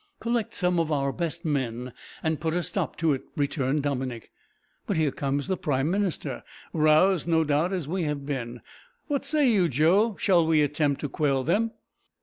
"Collect some of our best men and put a stop to it," returned Dominick; "but here comes the prime minister roused, no doubt, as we have been. What say you, Joe; shall we attempt to quell them?"